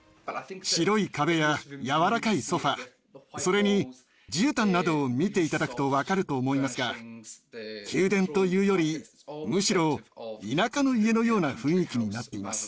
白い壁や柔らかいソファーそれにじゅうたんなどを見て頂くと分かると思いますが宮殿というよりむしろ田舎の家のような雰囲気になっています。